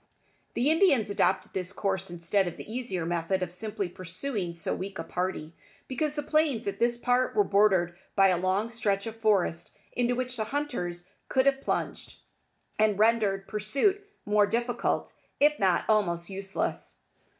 The Indians adopted this course instead of the easier method of simply pursuing so weak a party, because the plains at this part were bordered by a long stretch of forest into which the hunters could have plunged, and rendered pursuit more difficult, if not almost useless.